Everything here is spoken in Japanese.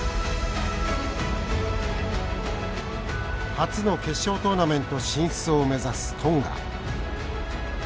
初の決勝トーナメント進出を目指すトンガ。